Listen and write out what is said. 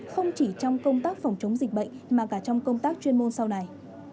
không chỉ trong công tác phòng chống dịch bệnh mà cả trong công tác chuyên môn sau này